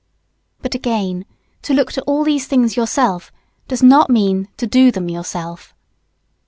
] But again, to look to all these things yourself does not mean to do them yourself.